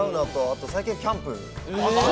◆あと最近はキャンプ。